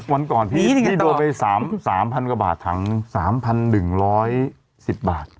วันก่อนพี่พี่โดนไป๓๐๐กว่าบาทถัง๓๑๑๐บาท